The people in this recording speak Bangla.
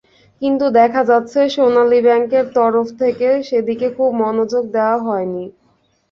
কিন্তু দেখা যাচ্ছে, সোনালী ব্যাংকের তরফ থেকে সেদিকে খুব মনোযোগ দেওয়া হয়নি।